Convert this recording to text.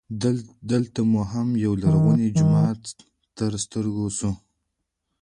دلته مو هم یولرغونی جومات تر ستر ګو سو.